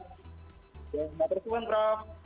terima kasih mbak prof